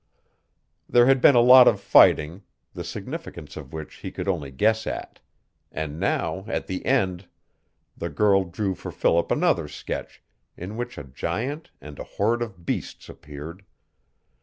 There had been a lot of fighting, the significance of which he could only guess at; and now, at the end, the girl drew for Philip another sketch in which a giant and a horde of beasts appeared.